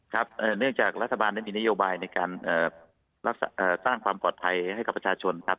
เนื่องจากรัฐบาลได้มีนโยบายในการสร้างความปลอดภัยให้กับประชาชนครับ